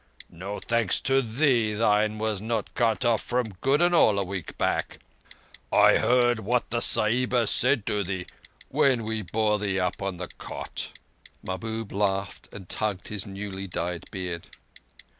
"No thanks to thee thine was not cut off for good and all a week back. I heard what the Sahiba said to thee when we bore thee up on the cot." Mahbub laughed, and tugged his newly dyed beard.